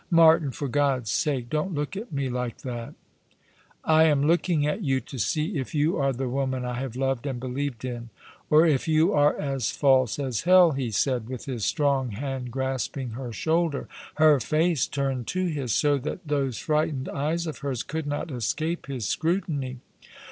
Martin, for God's sake, don't look at me like that !"" I am looking at you to see if you are the woman I have loved and believed in, or if you are as false as hell," he said, with his strong hand grasping her shoulder, her face turned to his, so that those frightened eyes of hers could not escape his scrutiny.